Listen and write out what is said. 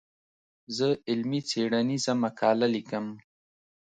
زه علمي څېړنيزه مقاله ليکم.